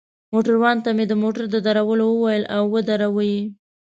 موټروان ته مې د موټر د درولو وویل، او ودروه يې.